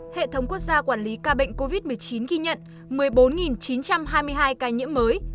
hệ thống quốc gia quản lý ca bệnh covid một mươi chín ghi nhận một mươi bốn chín trăm hai mươi hai ca nhiễm mới